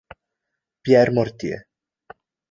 Pierre Mortier